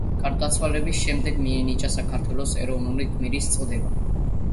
გარდაცვალების შემდეგ მიენიჭა საქართველოს ეროვნული გმირის წოდება.